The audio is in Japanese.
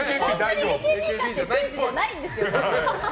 そういうクイズじゃないんですよ。